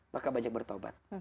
maka banyak bertobat